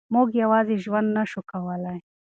موږ یوازې ژوند نه شو کولای.